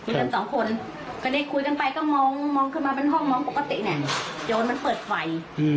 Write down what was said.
เป็นสองคนก็นี่คุยกันไปก็มองมองขึ้นมาเป็นห้องมองปกติเนี่ย